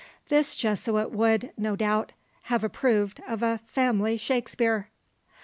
This Jesuit would, no doubt, have approved of a family Shakspeare!